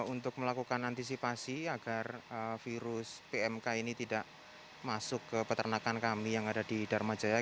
untuk melakukan antisipasi agar virus pmk ini tidak masuk ke peternakan kami yang ada di dharma jaya